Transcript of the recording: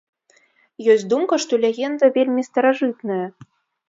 Ёсць думка, што легенда вельмі старажытная.